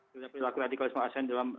sudah berlaku radikalisme asn dalam